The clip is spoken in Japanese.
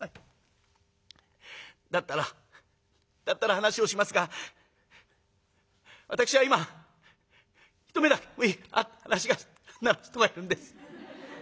「だったらだったら話をしますが私は今ひと話が人がいるんです」。